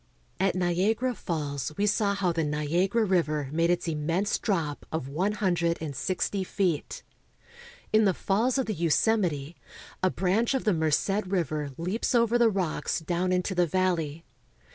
At Niagara Falls we saw how the Niagara River made its immense drop of one hundred and sixty feet. In the falls of the Yosemite a branch of the Merced River leaps over the rocks down into the valley.